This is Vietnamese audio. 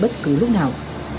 từ lúc nào